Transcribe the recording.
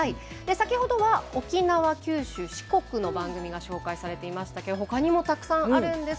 先ほどは沖縄、九州、四国の番組が紹介されていましたが他にもたくさんあるんです。